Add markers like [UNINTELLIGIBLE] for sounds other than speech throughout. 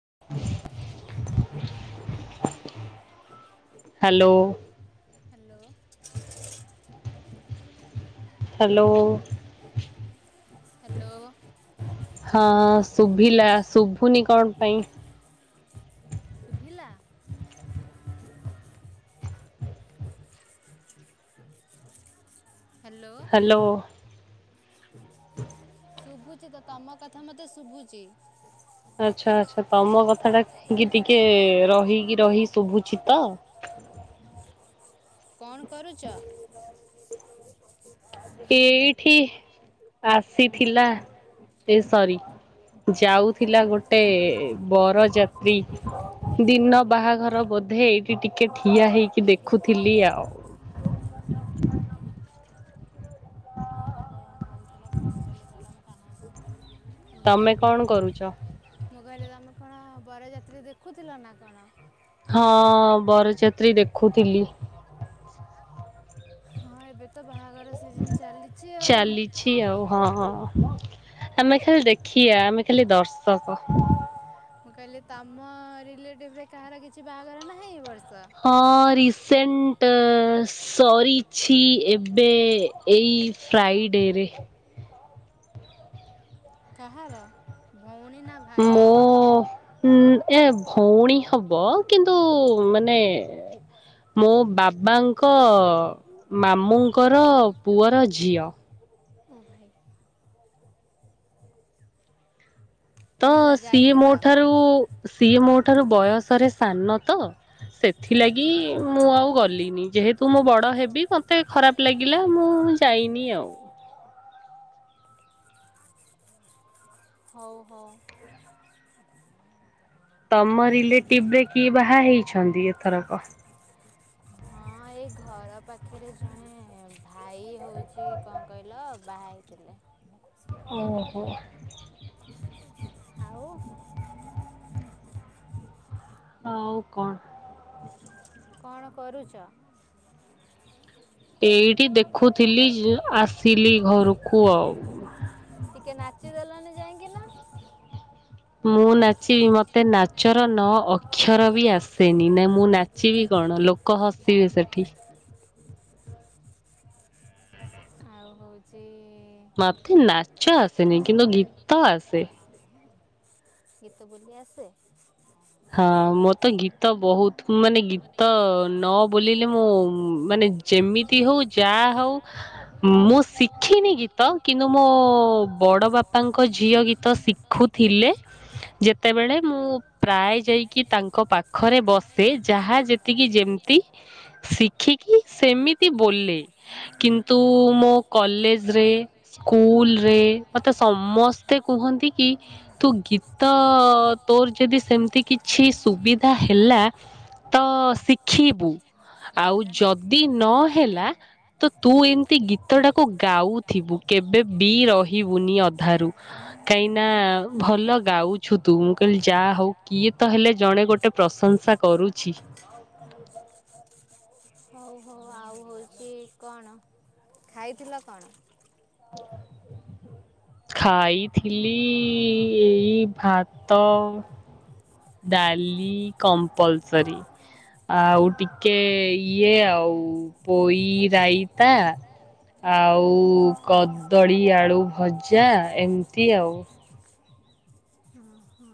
[INAUDIBLE] Hello. Hello. Hello. Hello. ହଁ ଶୁଭିଲା। ଶୁଭୁନି କଣ ପାଇଁ? ଶୁଭିଲା? ହ୍ୟାଲୋ। [INAUDIBLE] ଶୁଭୁଛି ତ ତମ କଥା ମତେ ଶୁଭୁଛି। ଆଚ୍ଛା ଆଚ୍ଛା ତମ କଥା ଟା ଟିକେ ରହିକି ରହି ଶୁଭୁଛି ତ। [INAUDIBLE] କଣ କରୁଚ? ଏଇଠି ଆସିଥିଲା ଏ ସରି ଯାଉଥିଲା ଗୋଟେ ବରଯାତ୍ରୀ ଦିନ ବାହାଘର ବୋଧେ। ସେଇଠି ଟିକେ ଠିଆ ହେଇକି ଦେଖୁଥିଲି ଆଉ। [INAUDIBLE] ହଁ ତ କଣ କହୁଥିଲା ଫୋନ କଲେ କହିଲା ମୁଁ। [UNINTELLIGIBLE] ତମେ କଣ କରୁଚ। ମୁଁ କହିଲି ତମେ କଣ ବରଯାତ୍ରୀ ଦେଖୁଥିଲ ନା କଣ? ହଁ ବରଛାତ୍ରୀ ଦେଖୁଥିଲି। ହଁ ଏବେତ ଚାଲିଛି ଆଉ ହଁ ହଁ। ଆମେ ଖାଲି ଦେଖିଆ ଆମେ ଖାଲି ଦର୍ଶକ। କହିଲେ ତମ ରିଲେଟିଭରେ କାହାର କିଛି ବାହାଘର ନାହିଁ ଏ ବର୍ଷ। ହଁ ରିସେଣ୍ଟ ସରିଛି ଏବେ ଏଇ ଫ୍ରାଇଡେରେ। କାହାର ଭୋଉଣୀ ନା ଭାଇ। ମୁଁ ଉଁ ଏ ଭଉଣୀ ହବ କିନ୍ତୁ ମାନେ ମୋ ବାବାଙ୍କ ମାମୁଁଙ୍କର ପୁଅର ଝିଅ। ଓ ଭାଇ। ତ ସିଏ ମୋ ଠାରୁ ସିଏ ମୋ ଠାରୁ ବୟସରେ ସା ସାନ ତ ସେଥିଲାଗି ମୁଁ ଆଉ ଗଲିନି। ଯେହେତୁ ମୁଁ ବଡ଼ ହେବି ମୋତେ ଖ ଖରାପ ଲାଗିଲା ମୁଁ ଯାଇନି ଆଉ। ହ ହଉ ହଉ। ଭଉଣୀ ର ତମ ରିଲେଟିବରେ କିଏ ବାହା ହେଇଛନ୍ତି ଏଥରକ। ହଁ ଏଇ ଘର ପା ପାଖରେ ଜଣେ ଭାଇ ହଉଚି କଣ କହିଲ ବାହା ହେଇଥିଲେ। ଓ ହୋ। ହୋଉ ମତେ କହିଲା କାମ କରନା। ତମ ଘରେ କେହି ନାହାନ୍ତି। ଆଉ କଣ? କଣ କରୁଚ। [INAUDIBLE] ଏଇଠି ଦେଖୁଥିଲି ଜୁ ଆସିଲି ଘରକୁ ଆଉ। ନାଚିଦେଲନି ଯାଇକିନା। ମୁଁ ନାଚିବି ମତେ ନାଚର ନ ଅକ୍ଷର ବି ଆସେନି। ନାଁ ମୁଁ ନା ନାଚିବି କଣ ଲୋକ ହସିବେ ସେଠି। ଆଉ ହଉଚି। ମାତେ ନାଚ ଆସେନି କିନ୍ତୁ ଗୀତ ଆସେ। ଗୀତ ବୋଲିଆସେ। ହଁ। ହଁ ମୋତେ ଗୀତ ବହୁତ ମାନେ ଗୀତ ନ ବୋଲିଲେ। ମୁଁ ମାନେ ଯେମିତି ହଉ ଯାହା ହଉ ମୁଁ ଶିଖିନି ଗୀତ। କିନ୍ତୁ ମୋ ବଡ ବାପାଙ୍କ ଝିଅ ଗୀତ ଶି ତ ଶିଖୁଥିଲେ ଯେତେବେଳେ ମୁଁ ଗାଏ ଯାଇକି ତାଙ୍କ ପାଖରେ ବସେ ଯେ ଯାହା ଯେତିକି ଯେମିତି ଶିଖିକି ସେମିତି ବୋଲେ। କିନ୍ତୁ ମୁଁ ମୋ କଲେଜରେ ସ୍କୁଲରେ ମୋତେ ସମସ୍ତେ କୁହନ୍ତି କି? ତୁ ଗୀତ ତୋର ଯଦି ସେମିତି କିଛି ସୁବିଧା ହେଲା। ତ ଶିଖିବୁ ଆଉ ଯଦି ନହେଲା ତ ତୁ ଏମିତି ଗି ଗୀତଟାକୁ ଗାଉଥିବୁ କେବେ ବି ରହିବୁନି ଅଧାରୁ। କାହିଁକନା ଭଲ ଗାଉଛୁ ତୁ ମୁଁ କଇଲି ଯା ହଉ। କିଏ ତ ହେଲେ ଜଣେ ଗୋଟେ ପ୍ରଶଂସା କରୁଛି। ହଉ ହଉ ଆଉ ହଉଚି କଣ ଖାଇଥିଲ କଣ? ଖାଇଥିଲି ଏଇ ଭା ତ ଡାଲି କମ୍ପଲସରି। ଆଉ ଟିକେ ଇଏ ଆଉ ପୋଇ ରାଇତା। ଆଉ କଦଳୀ ଆଳୁ ଭଜା ଏମିତି ଆଉ। ଓ ହଁ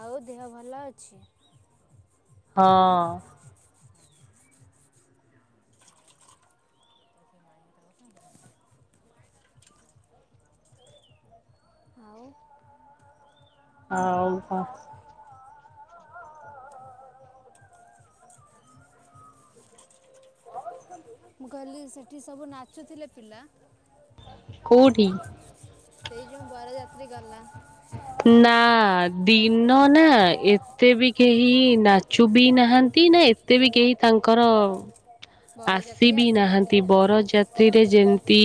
ଆଉ ଦେହ ଭଲ ଅଛି। ହଁ ତ [UNINTELLIGIBLE] ଆଉ ହ ହଉ କ ମୁଁ କହିଲି ସେଠି ସବୁ ନାଚୁଥିଲେ ପିଲା କଉଠି ସେଇ ଯୋଉ ବରଯାତ୍ରୀ ଗଲା। ନା ଦିନ ନା, ଏତେ ବି କେହି ନାଚୁ ବି ନାହାନ୍ତି। ସେ ନା ଏତେ ବି କେହି ତାଙ୍କର ଆସ ବିି ନାହାନ୍ତି, ବରଯାତ୍ରୀରେ ଯେମି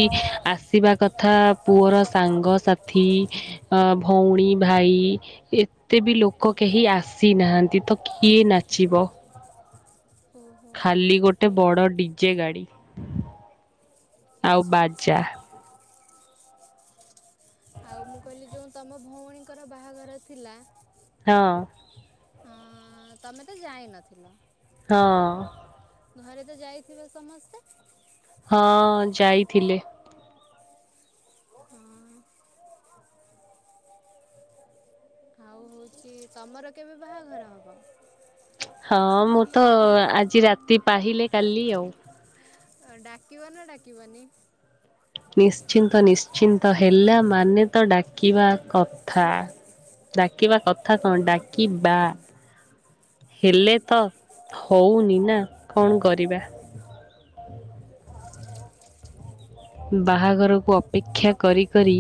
ଆସିବା କଥା, ପୁଅର ସାଙ୍ଗସଥି ଅ ଭଉଣୀ ଭାଇ ଭାଇ, ଏତେ ବି ଲୋକ କେହି ଆସିନାହାନ୍ତି ତ କିଏ ନାଚିବ? ଖାଲି ଗୋଟେ ବଡ ଡିଜେ ଗାଡି ଆଉ ବାଜା ଆଉ ମୁଁ କହିଲି, ଯେଉ ତମ ଭଉଣୀଙ୍କର ବାହାଘର ଥିଲା। ହଁ। ହଁ ତମେ ତ ଯାଇ ନଥିଲ ହଁ ଘରେ ତ ଯାଇଥିବେ ସମସ୍ତେ ହଁ ଯାଇଥିଲେ। ହ ଆଉ ହଉଛି, ତମର କେବେ ବାହାଘର ହବ? ହଁ ମୁଁ ତ ଆଜି ରାତି ପାହିଲେ କାଲି ଆଉ ଡାକିବ ନା ଡାକିବନି? ନିଶ୍ଚିନ୍ତ, ନିଶ୍ଚିନ୍ତ, ହେଲା ମାନେ ତ ଡାକିବା କଥା ଡାକିବା କଥା କଣ? ଡାକିବା। ହେଲେ ତ ହଉନି ନା, କଣ କରିବା? [INAUDIBLE] ବାହାଘରକୁ ଅପେକ୍ଷା କରି କରି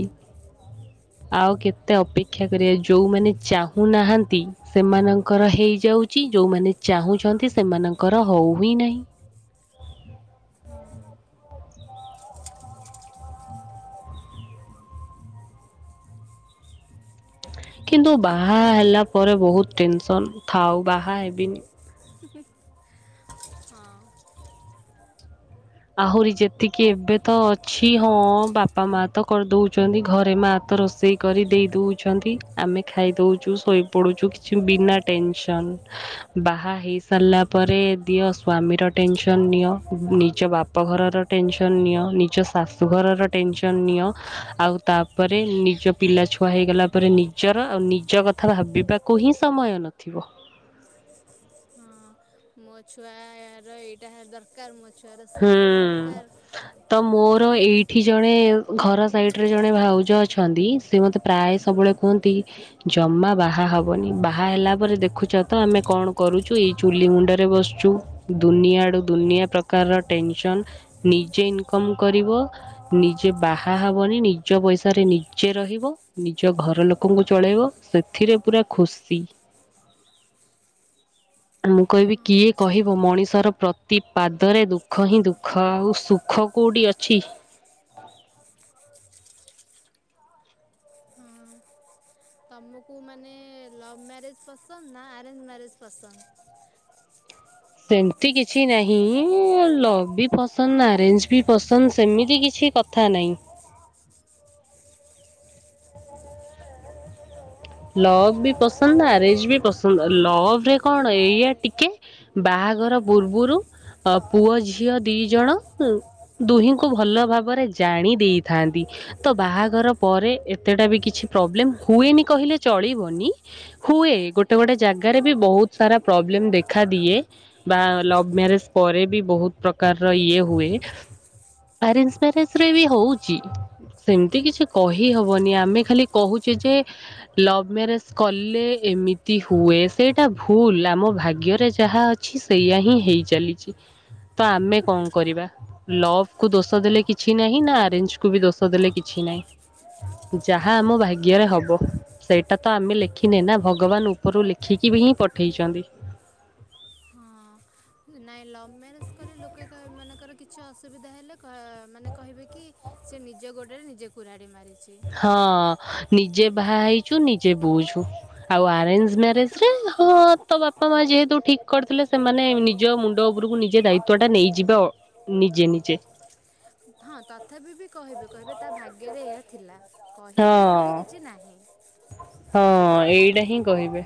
ହ ଆଉ କେତେ ଅପେକ୍ଷା କରିବା, ଯୋଉମାନେ ଚାହୁଁନାହାନ୍ତି, ସେମାନଙ୍କର ହେଇଯାଉଛି ଯୋଉମାନେ ଚାହୁଁଛନ୍ତି, ସେମାନଙ୍କର ହଉ ହି ନାହିଁ? ହଁ। କିନ୍ତୁ ବାହା ହେଲା ପରେ ବହୁତ ଟେନସନ ଥାଉ, ବାହା ହେବିନି। ଆହୁରି ଯେତିକି ଏବେ ତ ଅଛି ହଁ ବାପା ମା ତ କରିଦଉଛନ୍ତି ଘରେ ମା ତ ରୋଷେଇ କରି ଦେଇଦଉଛନ୍ତି, ଆମେ ଖାଇ ଦେଉଛୁ, ଶୋଇପଡ଼ୁଛୁ, କିଛି ବିନା ଟେନସନ୍ ବାହା ହେଇ ସାରିଲା ପରେ, ଦିଅ ସ୍ଵାମୀର ଟେନସନ ନିଅ, ନିଜ ବାପା ବାପ ଘରର ଟେନସନ ନିଅ, ନିଜ ଶାଶୁ ଘରର ଟେନସନ ନିଅ, ଆଉ ତାପରେ ନିଜ ପିଲା ଛୁଆ ହେଇଗଲା ପରେ, ନିଜର ଆଉ ନିଜ କଥା ଭାବିବାକୁ ହିଁ ସମୟ ନଥିବ। ହଁ ମୋ ଛୁଆ ର ଏଇଟା ଦରକାର, ମୋ ସର ସେ ଏଇଟା ଦରକାର। ମୋର ଏଇଠି ଜଣେ ଘର ସାଇଡ ରେ ଜଣେ ଭାଉଜ ଅଛନ୍ତି, ସେ ମତେ ପ୍ରାୟ ସବୁବେଳେ ଜମା ବାହା ହବନି, ବାହା ହେଲା ପରେ ଦେଖୁଛ ତ ଆମେ କଣ କରୁଛୁ, ଏଇ ଚୁଲି ମୁଣ୍ଡରେ ବସଛୁ, ଦୁନିଆ ଆଡୁ ଦୁନିଆ ନିଜେ ଇନ୍କମ କରିବ, ନିଜେ ବାହା ହବନି, ନିଜ ପଇସାରେ ନିଜେ ରହିବ, ନିଜ ଘର ଲୋକଙ୍କୁ ଚଳେଇବ, ସେଥିରେ ପୁରା ଖୁସି। [UNINTELLIGIBLE] ମୁଁ କହିବି, କିଏ କହିବ? ମଣିଷର ପ୍ରତିପାଦ ଭିତରେ ଦୁଃଖ ହିଁ ଦୁଃଖ ଆଉ ସୁଖ କୋଉଠି ଅଛି? ତମକୁ ମାନେ ଲଭ୍ ମ୍ୟାରେଜ ପସନ୍ଦ ନା ଆରେଞ୍ଜ ମ୍ୟାରେଜ ପସନ୍ଦ? ସେମିତି କିଛି ନାହିଁ ଲଭ ବି ପସନ୍ଦ ଆରେଞ୍ଜ ବି ପସନ୍ଦ ସେମିତି କିଛି। କଥା ନାହିଁ। । ଲଭ ବି ପସନ୍ଦ ଆରେଜ ବି ପସନ୍ଦ ଲଭରେ କଣ ଏଇଆ ଟିକେ ବା ବାହାଘର ପୂର୍ବରୁ ପୁଅ ଝିଅ ଦି ଜଣ। ଦୁହିଁଙ୍କୁ ଭଲ ଭାବରେ ଜାଣି ଦେଇଥାନ୍ତି ତ ବାହାଘର ପରେ ଏତେଟା ବି କିଛି। ପ୍ରୋବ୍ଲେମ୍ ହୁଏନି କହିଲେ। ଚଳିବନି ହୁଏ ଗୋଟେ ଗୋଟେ ଜାଗାରେ ବି ବହୁତ ସାରା ପ୍ରବ୍ଲେମ ଦେଖା ଦିଏ। ବା ଲଭ୍ ମ୍ୟାରେଜ ପରେ ବି ବହୁତ ପ୍ରକାରର ଇଏ ହୁଏ। ଆରେଞ୍ଜ ମ୍ୟାରେଜ ରେ ବି ହଉଛି। ସେମିତି କିଛି କହିହବନି ଆମେ ଖାଲି କହୁଛେ ଯେ। ଲଭ ମ୍ୟାରେଜ କଲେ ଏମିତି ହୁଏ ସେଇଟା ଭୁଲ ଆମ ଭାଗ୍ୟରେ ଯାହା ଅଛି। ସେଇଆ ହିଁ ହେଇ ଚାଲିଛି। ତ ଆମେ କଣ କରିବା ଲଭ କୁ ଦୋଷ ଦେଲେ କିଛି ନାହିଁ ନା ଆରେଞ୍ଜ କୁ ବି ଦୋଷ ଦେଲେ କିଛି। ନାଇଁ ଯାହା ଆମ ଭାଗ୍ୟରେ ହବ। ସେଇଟା ତ ଆମେ ଲେଖିନେ ନା ଭଗବାନ ଉପରୁ ଲେଖିକି ବି ହିଁ ପଠେଇଛନ୍ତି। ହଁ। ନାଇଁ ଲଭ୍ ମ୍ୟାରେଜ କଲେ ଲୋକେ କହି ମାନଙ୍କର କିଛି ଅସୁବିଧା ହେଲେ କହ ମାନେ କହିବେ କି। ସେ ନିଜ ଗୋଡ଼ରେ ନିଜେ କୁରାଡ଼ି ମାରି। ହଁ। ନିଜେ ବାହା ହେଇଛୁ ନିଜେ ବୁଝୁ ଆଉ ଆରେଞ୍ଜ ମ୍ୟାରେଜ ରେ ହଁ ତ ବା ବାପା ମା ଯେହେତୁ ଠିକ କରିଥିଲେ ସେମାନେ ନିଜ ମୁଣ୍ଡ ଉପରକୁ ନିଜେ ଦାୟିତ୍ଵ ଟା ନେଇଯିବେ ଅ। ନିଜେ ନିଜେ। ହଁ ତଥାପି ବି କହିବେ କହିବେ ତା ଭାଗ୍ୟରେ ଏହା ଥିଲା। କହିବେନି ବୋଲି କିଛି ନାହିଁ। ଏଇଟା ହିଁ କହିବେ।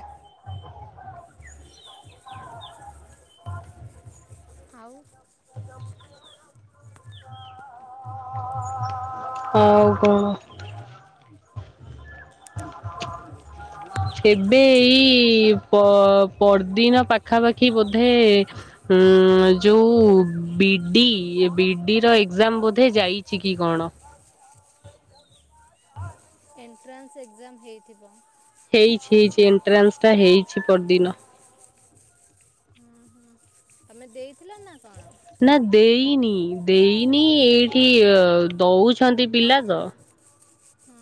ଆଉ। ଆଉ କଣ। ଏବେ ଏଇ ପ ପର ଦିନ ପାଖା ପାଖି ବୋଧେ। ଉଁ ଯୋଉ ବିଡି ବିଡିର ଏକ୍ଜାମ ବୋଧେ ଯାଇଛି କି କଣ। ହ। ଏଣ୍ଟ୍ରାନ୍ସ ଏକ୍ଜାମ ହେଇଥିବ। ହେଇଛି ହେଇଛି ଏଣ୍ଟ୍ରାନ୍ସ ଟା ହେଇଛି ପରଦିନ। ହୁଁ ହୁଁ ତମେ ଦେଇଥିଲ ନା କଣ। ନା ଦେଇନି ଦେଇନି ଏଇଠି ଅ ଦଉଛନ୍ତି ପିଲା ତ। ହୁଁ।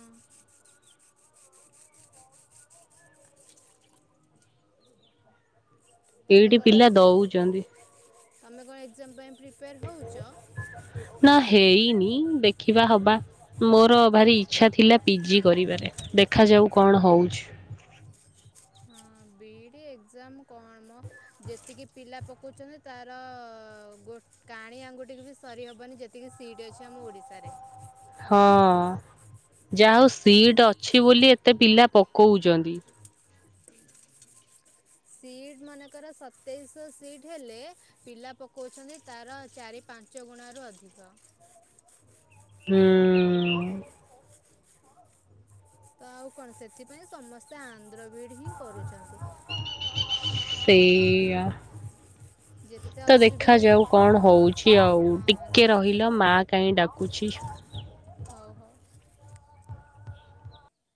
ଏଇଠି ପିଲା ଦଉଛନ୍ତି। ତମେ କଣ ଏକ୍ଜାମ ପାଇଁ ପ୍ରିପେୟାର ହଉଛ। ନା ହେଇନି ଦେଖିବା ହବା ମୋର ଭାରି ଇଛା ଥିଲା ପିଜି କରିବାରେ। ଦେଖାଯାଉ କଣ ହଉଛି? ହ [INAUDIBLE] ହଁ ବିଡି ଏକଜାମ କଣ ମ ଯେତିକି ପିଲା ପକଉଛନ୍ତି ତାର। କାଣି ଗୋ ଆଙ୍ଗୁଠି କି ବି ସରି ହବନି ଯେତିକି ସିଟ ଅଛି ଆମ ଓଡିଶାରେ। ହଁ। ଯା ହଉ ସିଟ ଅଛି ବୋଲି ଏତେ ପିଲା ପକଉଛନ୍ତି। ସିଟ ମନେକର ସତେଇଶ ସିଟ ହେଲେ ପିଲା ପକଉଛନ୍ତି ତାର ଚାରି ପା ପାଞ୍ଚ ଗୁଣା ରୁ ଅଧିକ। ହୁଁ। ତ ଆଉ କଣ ସେଥିପାଇଁ ସମସ୍ତେ ଆନ୍ଧ୍ର ବିଡି ହିଁ କରୁଛନ୍ତି। ସେଇଆ। ତ ଦେଖାଯାଉ କଣ ହଉଛି ଆଉ? ଟିକେ ରହିଲ ମା କାହିଁ ଡାକୁଛି। ହଉ ହଉ।